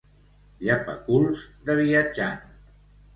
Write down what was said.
Llepaculs de viatjant.